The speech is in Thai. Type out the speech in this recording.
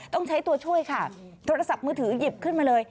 ต้องใช้ตัวช่วยค่ะโทรศัพท์มือถือหยิบขึ้นมาเลย